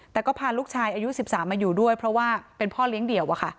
แต่ก็พาลูกชายอายุ๑๓มาอยู่ด้วยเพราะว่าเป็นพ่อเลี้ยงเดี่ยว